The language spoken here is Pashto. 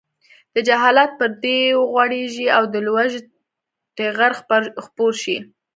د جهالت پردې وغوړېږي او د لوږې ټغر خپور شي.